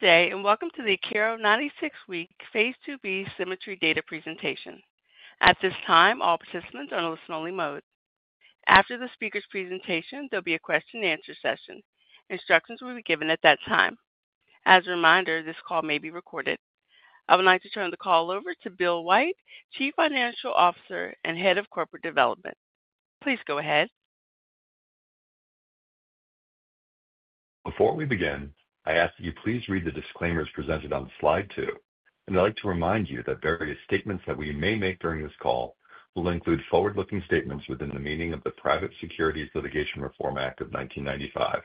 Good day, and welcome to the Akero 96-week phase 2b SYMMETRY Data Presentation. At this time, all participants are in a listen-only mode. After the speaker's presentation, there'll be a question-and-answer session. Instructions will be given at that time. As a reminder, this call may be recorded. I would like to turn the call over to Bill White, Chief Financial Officer and Head of Corporate Development. Please go ahead. Before we begin, I ask that you please read the disclaimers presented on Slide 2, and I'd like to remind you that various statements that we may make during this call will include forward-looking statements within the meaning of the Private Securities Litigation Reform Act of 1995,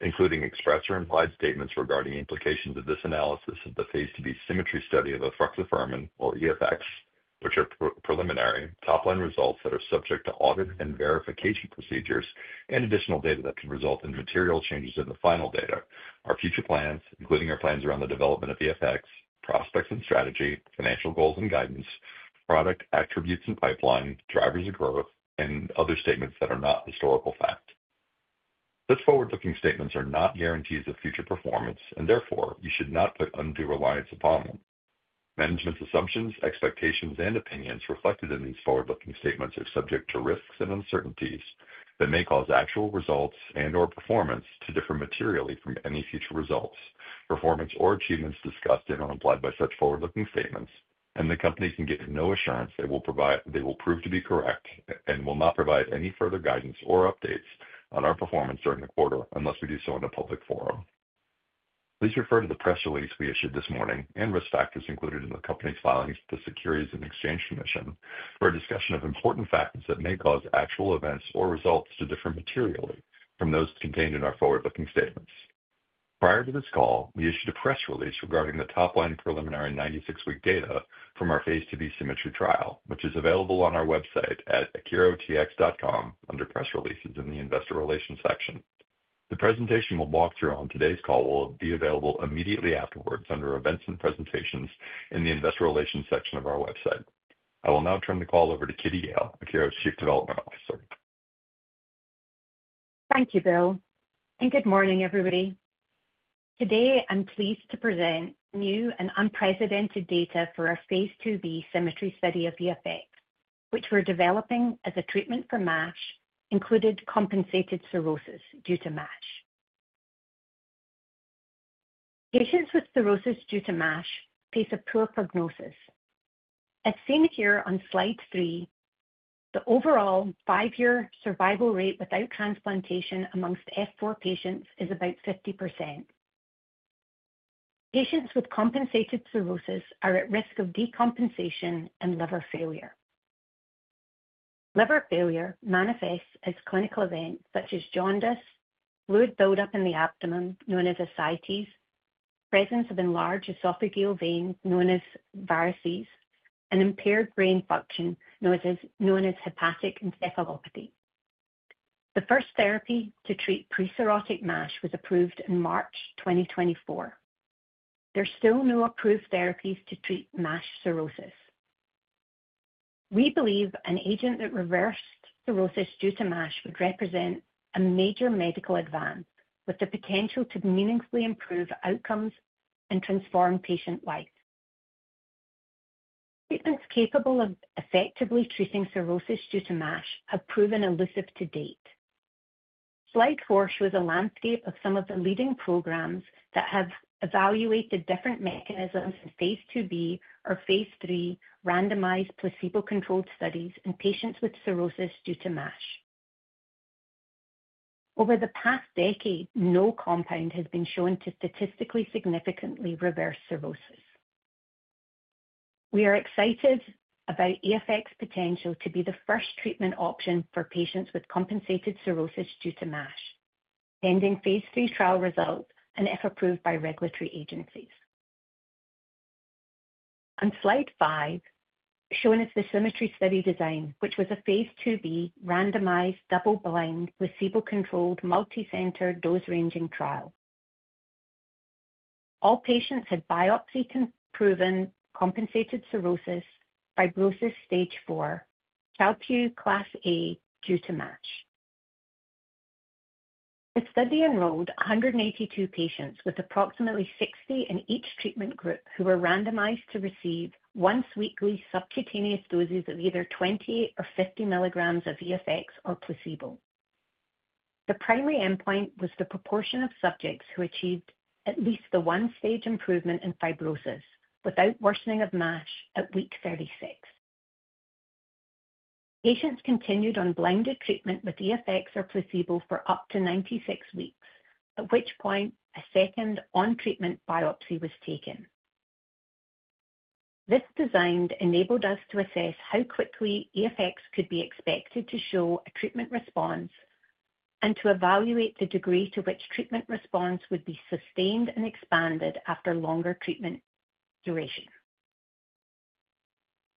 including express or implied statements regarding implications of this analysis of the phase 2b SYMMETRY study of efruxifer, or EFX, which are preliminary top-line results that are subject to audit and verification procedures and additional data that can result in material changes in the final data, our future plans, including our plans around the development of EFX, prospects and strategy, financial goals and guidance, product attributes and pipeline, drivers of growth, and other statements that are not historical fact. Such forward-looking statements are not guarantees of future performance, and therefore, you should not put undue reliance upon them. Management's assumptions, expectations, and opinions reflected in these forward-looking statements are subject to risks and uncertainties that may cause actual results and/or performance to differ materially from any future results, performance, or achievements discussed and/or implied by such forward-looking statements, and the company can give no assurance they will prove to be correct and will not provide any further guidance or updates on our performance during the quarter unless we do so in a public forum. Please refer to the press release we issued this morning and risk factors included in the company's filings with the Securities and Exchange Commission for a discussion of important factors that may cause actual events or results to differ materially from those contained in our forward-looking statements. Prior to this call, we issued a press release regarding the top-line preliminary 96-week data from our phase 2b SYMMETRY trial, which is available on our website at akerotx.com under Press Releases in the Investor Relations section. The presentation we'll walk through on today's call will be available immediately afterwards under Events and Presentations in the Investor Relations section of our website. I will now turn the call over to Kitty Yale, Akero's Chief Development Officer. Thank you, Bill. Good morning, everybody. Today, I'm pleased to present new and unprecedented data for our phase 2b Symmetry study of EFX, which we're developing as a treatment for MASH, including compensated cirrhosis due to MASH. Patients with cirrhosis due to MASH face a poor prognosis. As seen here on Slide 3, the overall five-year survival rate without transplantation among F4 patients is about 50%. Patients with compensated cirrhosis are at risk of decompensation and liver failure. Liver failure manifests as clinical events such as jaundice, fluid buildup in the abdomen known as ascites, presence of enlarged esophageal veins known as varices, and impaired brain function known as hepatic encephalopathy. The first therapy to treat pre-cirrhotic MASH was approved in March 2024. There are still no approved therapies to treat MASH cirrhosis. We believe an agent that reversed cirrhosis due to MASH would represent a major medical advance with the potential to meaningfully improve outcomes and transform patient life. Treatments capable of effectively treating cirrhosis due to MASH have proven elusive to date. Slide 4 shows a landscape of some of the leading programs that have evaluated different mechanisms in phase 2b or phase 3 randomized placebo-controlled studies in patients with cirrhosis due to MASH. Over the past decade, no compound has been shown to statistically significantly reverse cirrhosis. We are excited about EFX's potential to be the first treatment option for patients with compensated cirrhosis due to MASH, pending phase 3 trial results and if approved by regulatory agencies. On Slide 5, shown is the SYMMETRY study design, which was a phase 2b randomized double-blind placebo-controlled multi-center dose-ranging trial. All patients had biopsy-proven compensated cirrhosis, fibrosis stage 4, Child-Pugh Class A due to MASH. The study enrolled 182 patients with approximately 60 in each treatment group who were randomized to receive once-weekly subcutaneous doses of either 20 or 50 milligrams of EFX or placebo. The primary endpoint was the proportion of subjects who achieved at least the one-stage improvement in fibrosis without worsening of MASH at week 36. Patients continued on blended treatment with EFX or placebo for up to 96 weeks, at which point a second on-treatment biopsy was taken. This design enabled us to assess how quickly EFX could be expected to show a treatment response and to evaluate the degree to which treatment response would be sustained and expanded after longer treatment duration.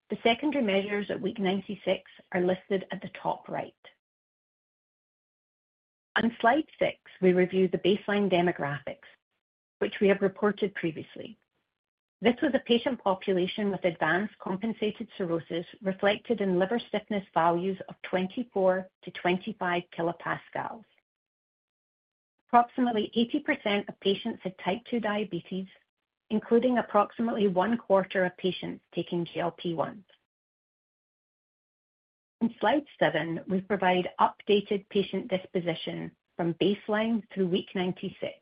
The secondary measures at week 96 are listed at the top right. On Slide 6, we review the baseline demographics, which we have reported previously. This was a patient population with advanced compensated cirrhosis reflected in liver stiffness values of 24-25 kilopascals. Approximately 80% of patients had type 2 diabetes, including approximately one-quarter of patients taking GLP-1. On Slide 7, we provide updated patient disposition from baseline through week 96.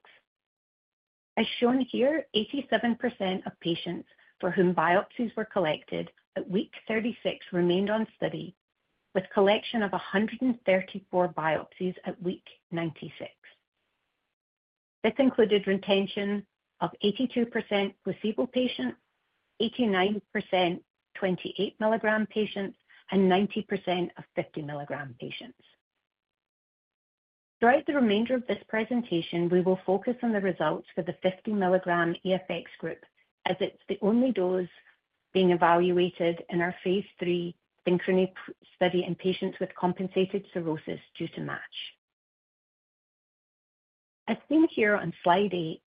As shown here, 87% of patients for whom biopsies were collected at week 36 remained on study with a collection of 134 biopsies at week 96. This included retention of 82% placebo patients, 89% 28 milligram patients, and 90% of 50 milligram patients. Throughout the remainder of this presentation, we will focus on the results for the 50 milligram EFX group, as it's the only dose being evaluated in our phase 3 SYNCHRONY study in patients with compensated cirrhosis due to MASH. As seen here on Slide 8,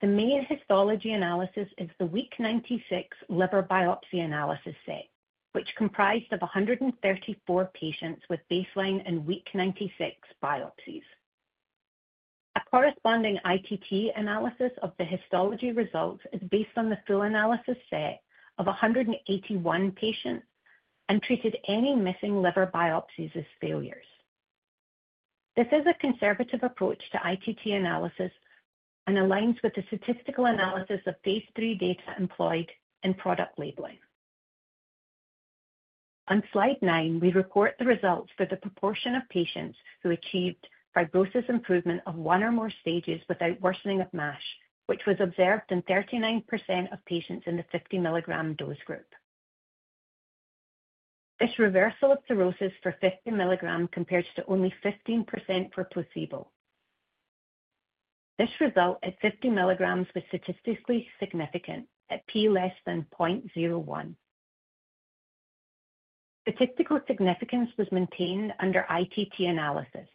the main histology analysis is the week 96 liver biopsy analysis set, which comprised of 134 patients with baseline and week 96 biopsies. A corresponding ITT analysis of the histology results is based on the full analysis set of 181 patients and treated any missing liver biopsies as failures. This is a conservative approach to ITT analysis and aligns with the statistical analysis of phase 3 data employed in product labeling. On Slide 9, we report the results for the proportion of patients who achieved fibrosis improvement of one or more stages without worsening of MASH, which was observed in 39% of patients in the 50 milligram dose group. This reversal of cirrhosis for 50 milligram compares to only 15% for placebo. This result at 50 milligrams was statistically significant at p less than 0.01. Statistical significance was maintained under ITT analysis,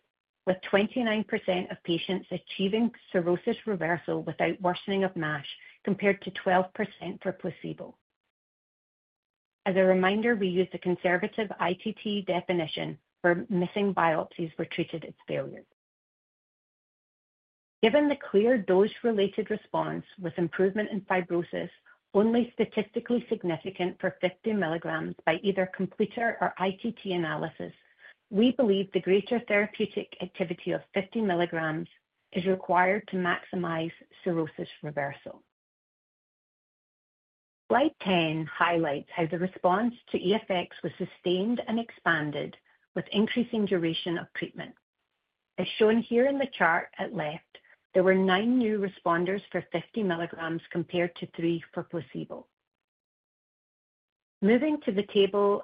with 29% of patients achieving cirrhosis reversal without worsening of MASH compared to 12% for placebo. As a reminder, we use the conservative ITT definition for missing biopsies were treated as failures. Given the clear dose-related response with improvement in fibrosis, only statistically significant for 50 milligrams by either completer or ITT analysis, we believe the greater therapeutic activity of 50 milligrams is required to maximize cirrhosis reversal. Slide 10 highlights how the response to EFX was sustained and expanded with increasing duration of treatment. As shown here in the chart at left, there were nine new responders for 50 milligrams compared to three for placebo. Moving to the table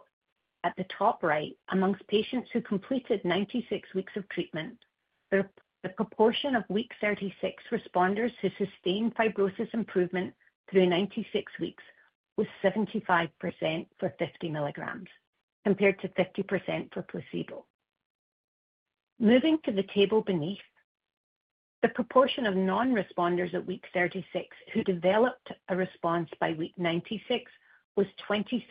at the top right, among patients who completed 96 weeks of treatment, the proportion of week 36 responders who sustained fibrosis improvement through 96 weeks was 75% for 50 milligrams compared to 50% for placebo. Moving to the table beneath, the proportion of non-responders at week 36 who developed a response by week 96 was 26%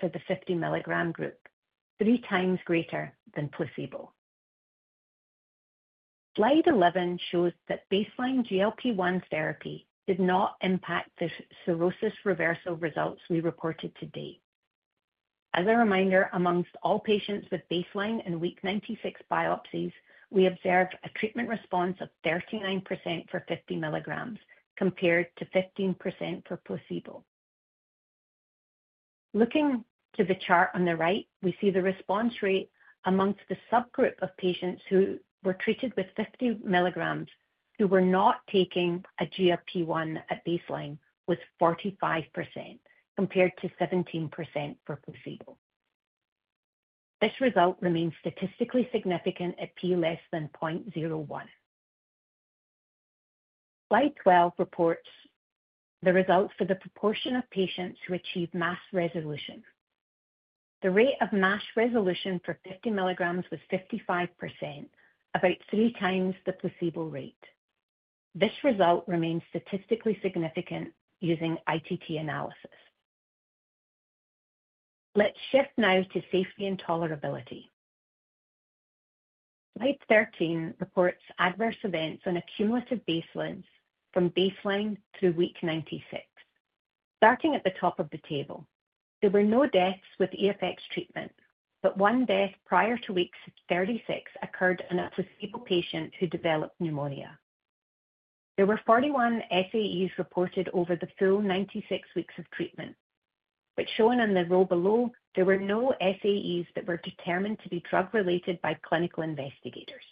for the 50 milligram group, three times greater than placebo. Slide 11 shows that baseline GLP-1 therapy did not impact the cirrhosis reversal results we reported to date. As a reminder, among all patients with baseline and week 96 biopsies, we observed a treatment response of 39% for 50 milligrams compared to 15% for placebo. Looking to the chart on the right, we see the response rate among the subgroup of patients who were treated with 50 milligrams who were not taking a GLP-1 at baseline was 45% compared to 17% for placebo. This result remains statistically significant at p less than 0.01. Slide 12 reports the results for the proportion of patients who achieve MASH resolution. The rate of MASH resolution for 50 milligrams was 55%, about three times the placebo rate. This result remains statistically significant using ITT analysis. Let's shift now to safety and tolerability. Slide 13 reports adverse events on a cumulative basis from baseline through week 96. Starting at the top of the table, there were no deaths with EFX treatment, but one death prior to week 36 occurred in a placebo patient who developed pneumonia. There were 41 SAEs reported over the full 96 weeks of treatment, but shown in the row below, there were no SAEs that were determined to be drug-related by clinical investigators.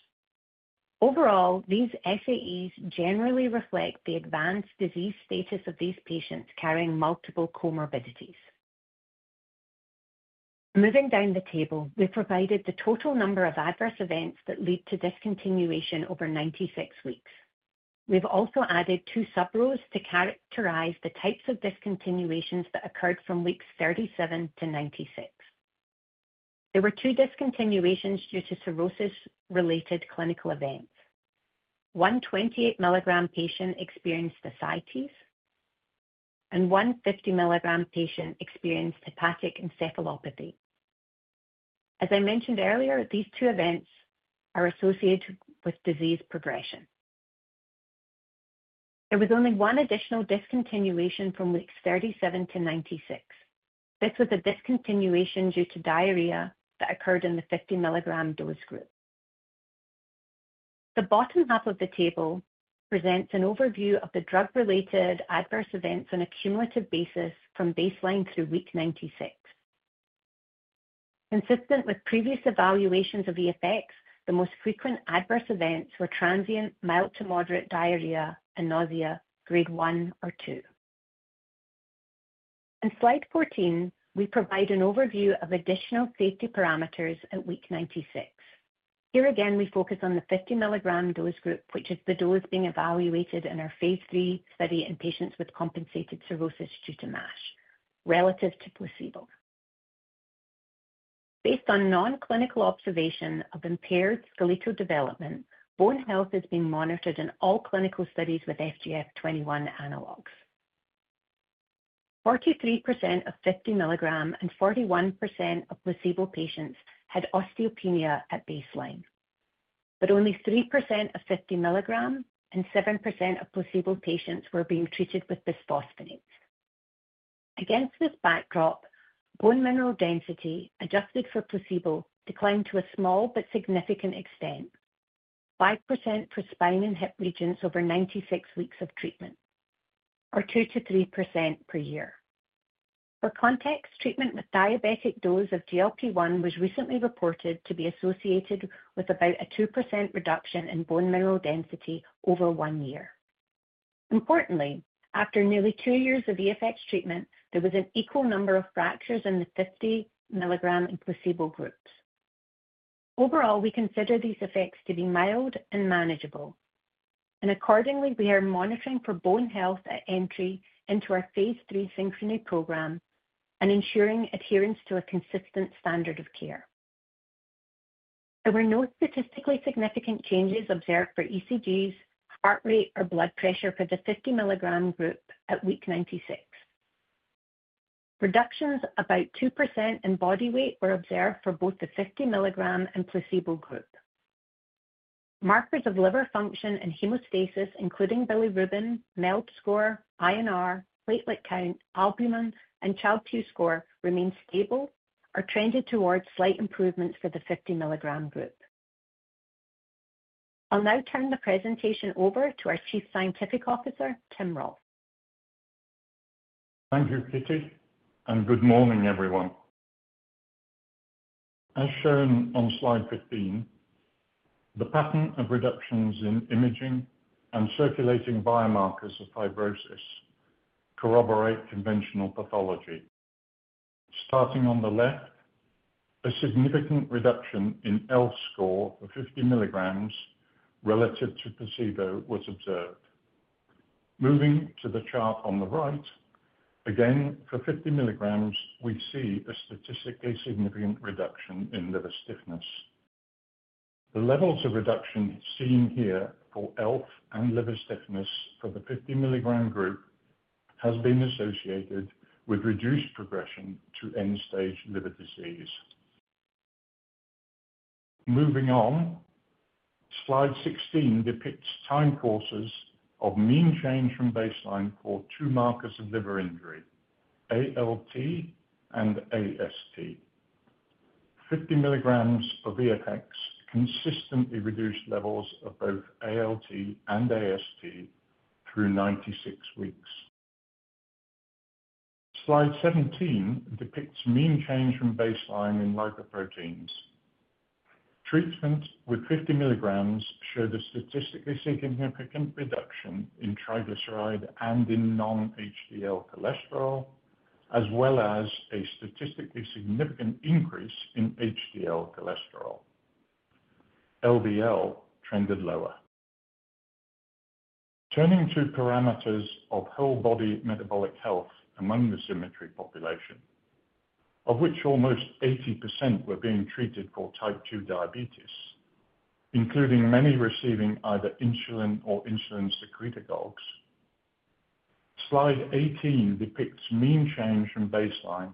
Overall, these SAEs generally reflect the advanced disease status of these patients carrying multiple comorbidities. Moving down the table, we've provided the total number of adverse events that lead to discontinuation over 96 weeks. We've also added two sub-rows to characterize the types of discontinuations that occurred from weeks 37 to 96. There were two discontinuations due to cirrhosis-related clinical events. One 28 milligram patient experienced ascites, and one 50 milligram patient experienced hepatic encephalopathy. As I mentioned earlier, these two events are associated with disease progression. There was only one additional discontinuation from weeks 37 to 96. This was a discontinuation due to diarrhea that occurred in the 50 milligram dose group. The bottom half of the table presents an overview of the drug-related adverse events on a cumulative basis from baseline through week 96. Consistent with previous evaluations of EFX, the most frequent adverse events were transient mild to moderate diarrhea and nausea, grade 1 or 2. On Slide 14, we provide an overview of additional safety parameters at week 96. Here again, we focus on the 50 milligram dose group, which is the dose being evaluated in our phase 3 study in patients with compensated cirrhosis due to MASH relative to placebo. Based on non-clinical observation of impaired skeletal development, bone health has been monitored in all clinical studies with FGF21 analogs. 43% of 50 milligram and 41% of placebo patients had osteopenia at baseline, but only 3% of 50 milligram and 7% of placebo patients were being treated with bisphosphonates. Against this backdrop, bone mineral density adjusted for placebo declined to a small but significant extent, 5% for spine and hip regions over 96 weeks of treatment, or 2%-3% per year. For context, treatment with diabetic dose of GLP-1 was recently reported to be associated with about a 2% reduction in bone mineral density over one year. Importantly, after nearly two years of EFX treatment, there was an equal number of fractures in the 50 milligram and placebo groups. Overall, we consider these effects to be mild and manageable, and accordingly, we are monitoring for bone health at entry into our Phase 3 SYNCHRONY program and ensuring adherence to a consistent standard of care. There were no statistically significant changes observed for ECGs, heart rate, or blood pressure for the 50 milligram group at week 96. Reductions about 2% in body weight were observed for both the 50-milligram and placebo group. Markers of liver function and hemostasis, including bilirubin, MELD score, INR, platelet count, albumin, and Child-Pugh score remain stable or trended towards slight improvements for the 50-milligram group. I'll now turn the presentation over to our Chief Scientific Officer, Tim Rolph. Thank you, Kitty, and good morning, everyone. As shown on Slide 15, the pattern of reductions in imaging and circulating biomarkers of fibrosis corroborate conventional pathology. Starting on the left, a significant reduction in ELF score for 50 milligrams relative to placebo was observed. Moving to the chart on the right, again for 50 milligrams, we see a statistically significant reduction in liver stiffness. The levels of reduction seen here for ELF and liver stiffness for the 50 milligram group have been associated with reduced progression to end-stage liver disease. Moving on, Slide 16 depicts time courses of mean change from baseline for two markers of liver injury, ALT and AST. 50 milligrams of EFX consistently reduced levels of both ALT and AST through 96 weeks. Slide 17 depicts mean change from baseline in lipoproteins. Treatment with 50 milligrams showed a statistically significant reduction in triglyceride and in non-HDL cholesterol, as well as a statistically significant increase in HDL cholesterol. LDL trended lower. Turning to parameters of whole body metabolic health among the SYMMETRY population, of which almost 80% were being treated for type 2 diabetes, including many receiving either insulin or insulin secretagogues, Slide 18 depicts mean change from baseline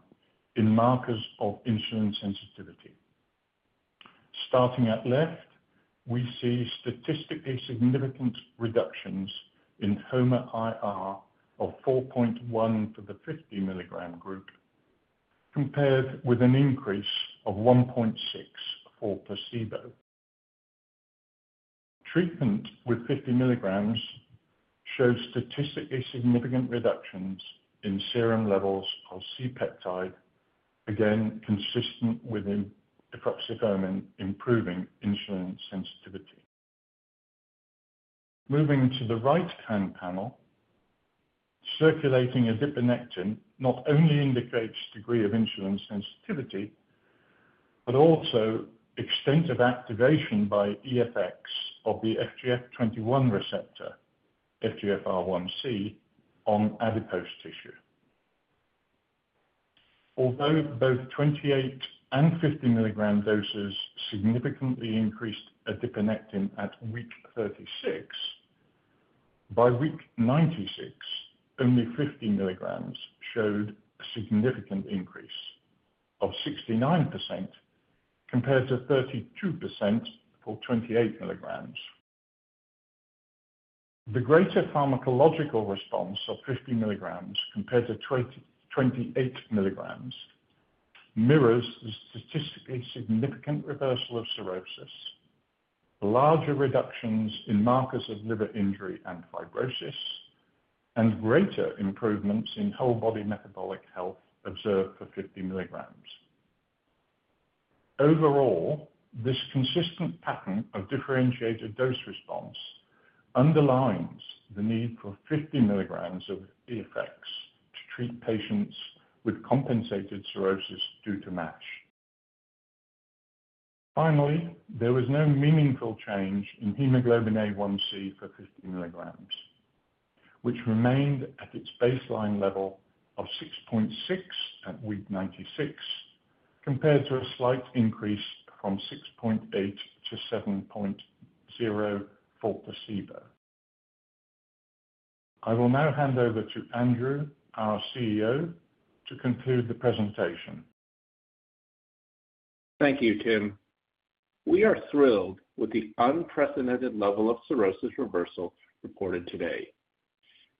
in markers of insulin sensitivity. Starting at left, we see statistically significant reductions in HOMA-IR of 4.1 for the 50 milligram group, compared with an increase of 1.6 for placebo. Treatment with 50 milligrams shows statistically significant reductions in serum levels of C-peptide, again consistent with the efruxifermin improving insulin sensitivity. Moving to the right-hand panel, circulating adiponectin not only indicates degree of insulin sensitivity, but also extensive activation by EFX of the FGF21 receptor, FGFR1c, on adipose tissue. Although both 28 and 50 milligram doses significantly increased adiponectin at week 36, by week 96, only 50 milligrams showed a significant increase of 69% compared to 32% for 28 milligrams. The greater pharmacological response of 50 milligrams compared to 28 milligrams mirrors the statistically significant reversal of cirrhosis, larger reductions in markers of liver injury and fibrosis, and greater improvements in whole body metabolic health observed for 50 milligrams. Overall, this consistent pattern of differentiated dose response underlines the need for 50 milligrams of EFX to treat patients with compensated cirrhosis due to MASH. Finally, there was no meaningful change in hemoglobin A1c for 50 milligrams, which remained at its baseline level of 6.6 at week 96, compared to a slight increase from 6.8 to 7.0 for placebo. I will now hand over to Andrew, our CEO, to conclude the presentation. Thank you, Tim. We are thrilled with the unprecedented level of cirrhosis reversal reported today.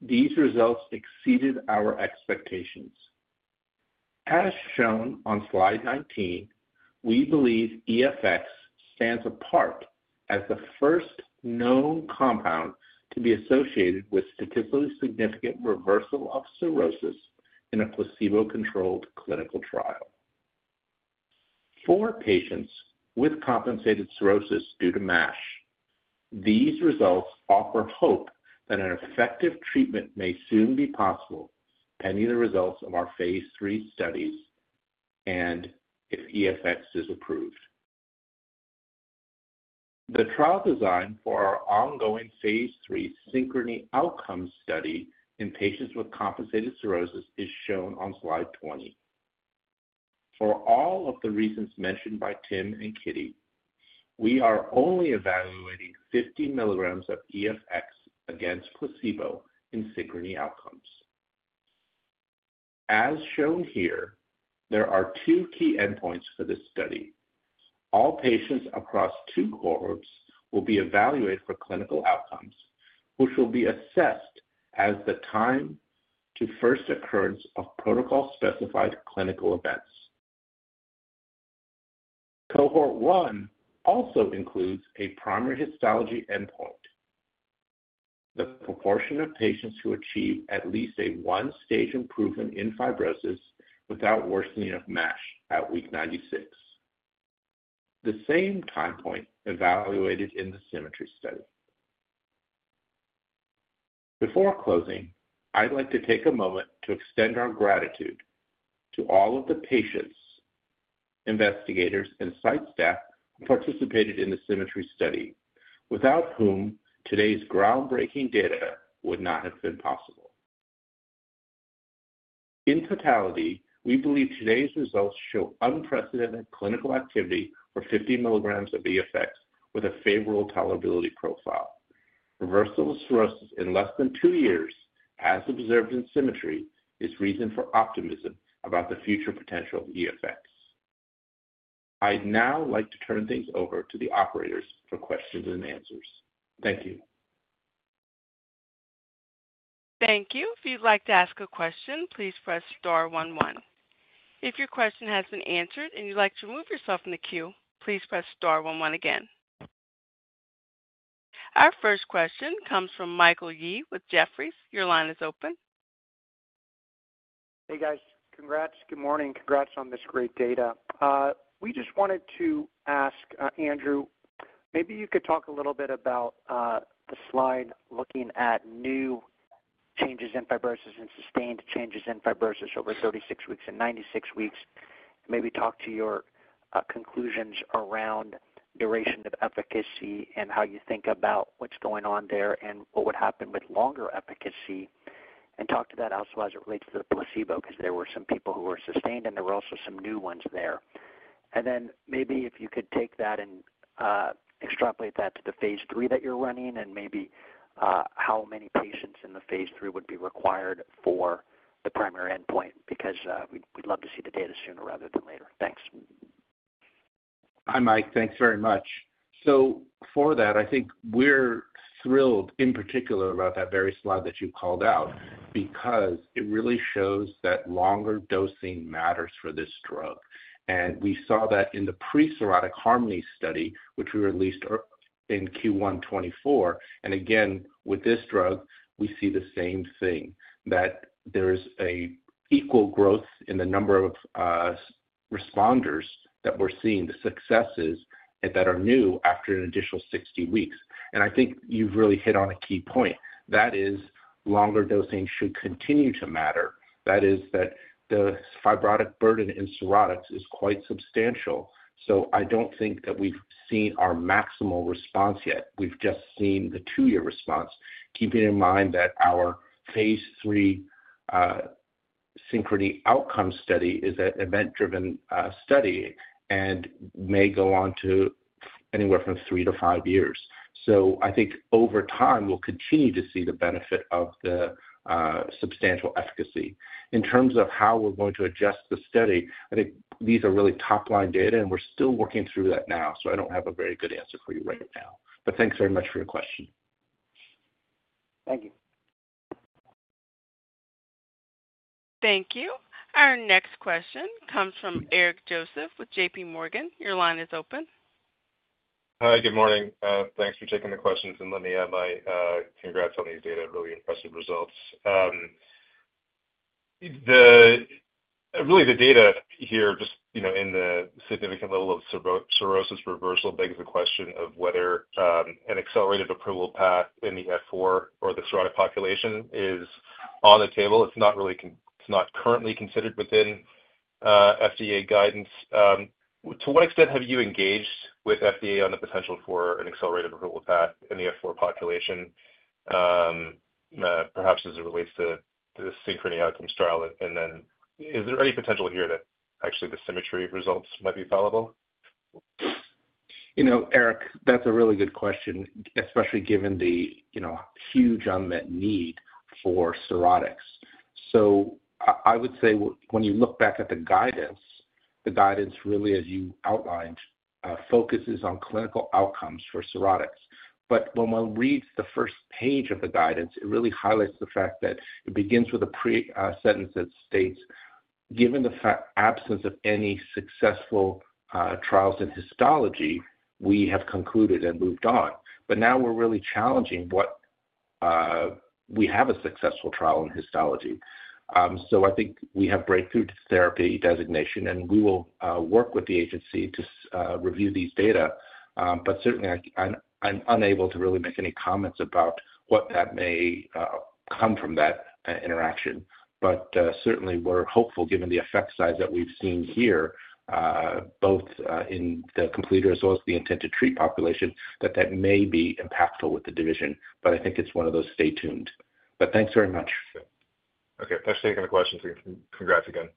These results exceeded our expectations. As shown on Slide 19, we believe EFX stands apart as the first known compound to be associated with statistically significant reversal of cirrhosis in a placebo-controlled clinical trial. For patients with compensated cirrhosis due to MASH, these results offer hope that an effective treatment may soon be possible, pending the results of our phase 3 studies and if EFX is approved. The trial design for our ongoing phase 3 Synchrony Outcomes study in patients with compensated cirrhosis is shown on Slide 20. For all of the reasons mentioned by Tim and Kitty, we are only evaluating 50 milligrams of EFX against placebo in Synchrony Outcomes. As shown here, there are two key endpoints for this study. All patients across two cohorts will be evaluated for clinical outcomes, which will be assessed as the time to first occurrence of protocol-specified clinical events. Cohort 1 also includes a primary histology endpoint, the proportion of patients who achieve at least a one-stage improvement in fibrosis without worsening of MASH at week 96. The same time point evaluated in the SYMMETRY study. Before closing, I'd like to take a moment to extend our gratitude to all of the patients, investigators, and site staff who participated in the SYMMETRY study, without whom today's groundbreaking data would not have been possible. In totality, we believe today's results show unprecedented clinical activity for 50 milligrams of EFX with a favorable tolerability profile. Reversal of cirrhosis in less than two years, as observed in SYMMETRY, is reason for optimism about the future potential of EFX. I'd now like to turn things over to the operators for questions and answers. Thank you. Thank you. If you'd like to ask a question, please press star 11. If your question has been answered and you'd like to remove yourself from the queue, please press star 11 again. Our first question comes from Michael Yee with Jefferies. Your line is open. Hey, guys. Congrats. Good morning. Congrats on this great data. We just wanted to ask Andrew, maybe you could talk a little bit about the slide looking at new changes in fibrosis and sustained changes in fibrosis over 36 weeks and 96 weeks, and maybe talk to your conclusions around duration of efficacy and how you think about what's going on there and what would happen with longer efficacy, and talk to that also as it relates to the placebo because there were some people who were sustained and there were also some new ones there, and then maybe if you could take that and extrapolate that to the phase 3 that you're running and maybe how many patients in the phase 3 would be required for the primary endpoint because we'd love to see the data sooner rather than later. Thanks. Hi, Mike. Thanks very much. So for that, I think we're thrilled in particular about that very slide that you called out because it really shows that longer dosing matters for this drug. And we saw that in the pre-cirrhotic HARMONY study, which we released in Q1 2024. And again, with this drug, we see the same thing, that there is an equal growth in the number of responders that we're seeing, the successes that are new after an additional 60 weeks. And I think you've really hit on a key point. That is, longer dosing should continue to matter. That is that the fibrotic burden in cirrhotics is quite substantial. So I don't think that we've seen our maximal response yet. We've just seen the two-year response, keeping in mind that our phase 3 Synchrony Outcomes study is an event-driven study and may go on to anywhere from three to five years. So I think over time, we'll continue to see the benefit of the substantial efficacy. In terms of how we're going to adjust the study, I think these are really top-line data and we're still working through that now, so I don't have a very good answer for you right now. But thanks very much for your question. Thank you. Thank you. Our next question comes from Eric Joseph with J.P. Morgan. Your line is open. Hi, good morning. Thanks for taking the questions, and let me add my congrats on these data, really impressive results. Really, the data here, just in the significant level of cirrhosis reversal, begs the question of whether an accelerated approval path in the F4 or the cirrhotic population is on the table. It's not currently considered within FDA guidance. To what extent have you engaged with FDA on the potential for an accelerated approval path in the F4 population, perhaps as it relates to the Synchrony Outcomes trial, and then is there any potential here that actually the SYMMETRY results might be viable? You know, Eric, that's a really good question, especially given the huge unmet need for cirrhotics. So I would say when you look back at the guidance, the guidance really, as you outlined, focuses on clinical outcomes for cirrhotics. But when one reads the first page of the guidance, it really highlights the fact that it begins with a sentence that states, "Given the absence of any successful trials in histology, we have concluded and moved on." But now we're really challenging what we have a successful trial in histology. So I think we have breakthrough therapy designation, and we will work with the agency to review these data. But certainly, I'm unable to really make any comments about what that may come from that interaction. But certainly, we're hopeful, given the effect size that we've seen here, both in the completer as well as the intention-to-treat population, that that may be impactful with the division. But I think it's one of those stay tuned. But thanks very much. Okay. Thanks for taking the question. Congrats again.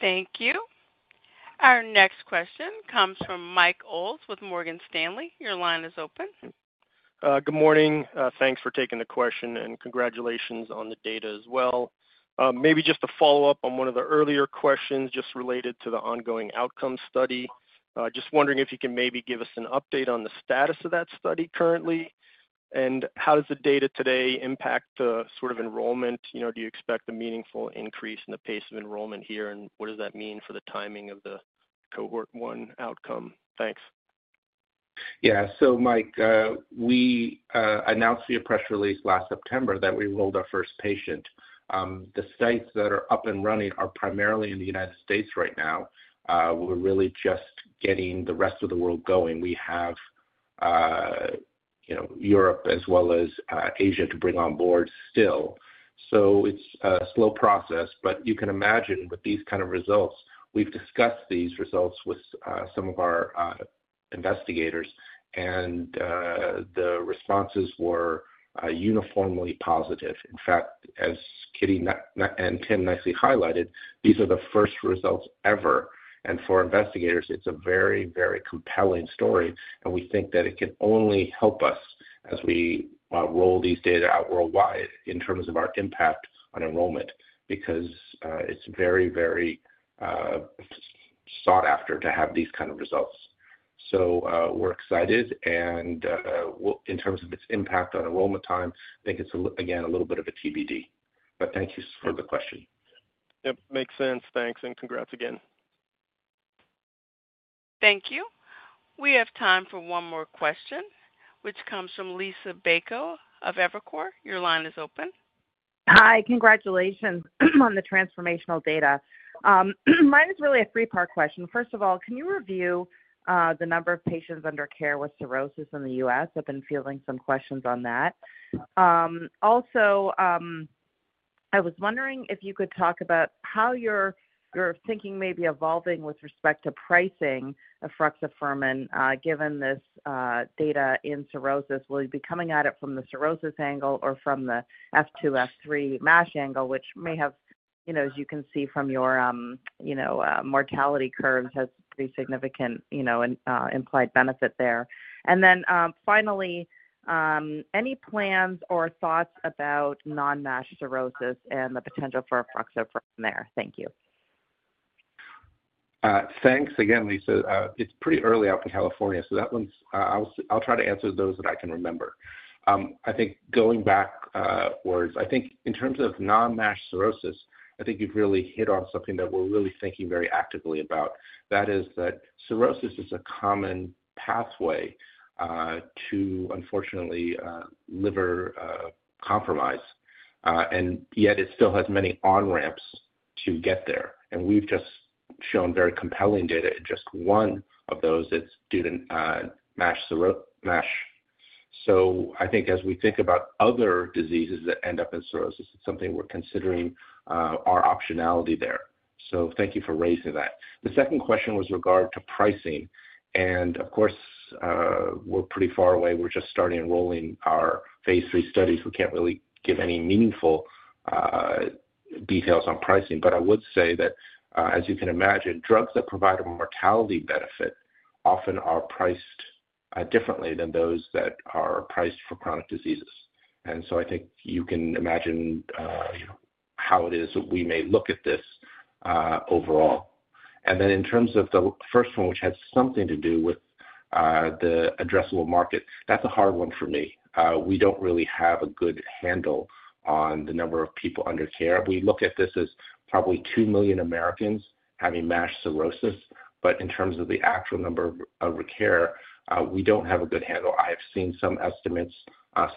Thank you. Our next question comes from Mike Ulz with Morgan Stanley. Your line is open. Good morning. Thanks for taking the question and congratulations on the data as well. Maybe just to follow up on one of the earlier questions just related to the ongoing outcome study, just wondering if you can maybe give us an update on the status of that study currently and how does the data today impact the sort of enrollment? Do you expect a meaningful increase in the pace of enrollment here, and what does that mean for the timing of the cohort 1 outcome? Thanks. Yeah. So Mike, we announced via press release last September that we enrolled our first patient. The sites that are up and running are primarily in the United States right now. We're really just getting the rest of the world going. We have Europe as well as Asia to bring on board still. So it's a slow process, but you can imagine with these kind of results, we've discussed these results with some of our investigators, and the responses were uniformly positive. In fact, as Kitty and Tim nicely highlighted, these are the first results ever. And for investigators, it's a very, very compelling story. And we think that it can only help us as we roll these data out worldwide in terms of our impact on enrollment because it's very, very sought after to have these kind of results. So we're excited. In terms of its impact on enrollment time, I think it's, again, a little bit of a TBD. But thank you for the question. Yep. Makes sense. Thanks. And congrats again. Thank you. We have time for one more question, which comes from Liisa Bayko of Evercore. Your line is open. Hi. Congratulations on the transformational data. Mine is really a three-part question. First of all, can you review the number of patients under care with cirrhosis in the U.S.? I've been fielding some questions on that. Also, I was wondering if you could talk about how your thinking may be evolving with respect to pricing of Efruxifermin given this data in cirrhosis. Will you be coming at it from the cirrhosis angle or from the F2, F3 MASH angle, which may have, as you can see from your mortality curves, has pretty significant implied benefit there? And then finally, any plans or thoughts about non-MASH cirrhosis and the potential for Efruxifermin there? Thank you. Thanks again, Liisa. It's pretty early out in California, so I'll try to answer those that I can remember. I think going backwards, I think in terms of non-MASH cirrhosis, I think you've really hit on something that we're really thinking very actively about. That is that cirrhosis is a common pathway to, unfortunately, liver compromise, and yet it still has many on-ramps to get there. And we've just shown very compelling data in just one of those that's due to MASH. So I think as we think about other diseases that end up in cirrhosis, it's something we're considering our optionality there. So thank you for raising that. The second question was regard to pricing. And of course, we're pretty far away. We're just starting enrolling our phase 3 studies. We can't really give any meaningful details on pricing, but I would say that, as you can imagine, drugs that provide a mortality benefit often are priced differently than those that are priced for chronic diseases. And so I think you can imagine how it is that we may look at this overall. And then in terms of the first one, which had something to do with the addressable market, that's a hard one for me. We don't really have a good handle on the number of people under care. We look at this as probably 2 million Americans having MASH cirrhosis, but in terms of the actual number who are cared for, we don't have a good handle. I have seen some estimates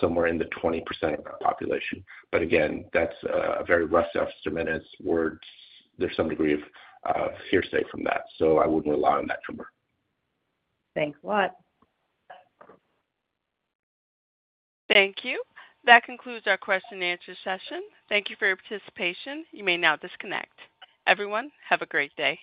somewhere in the 20% of our population. But again, that's a very rough estimate, and there's some degree of hearsay from that. So I wouldn't rely on that number. Thanks a lot. Thank you. That concludes our question-and-answer session. Thank you for your participation. You may now disconnect. Everyone, have a great day.